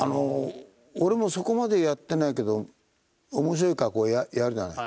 俺もそこまでやってないけど面白いからこうやるじゃない。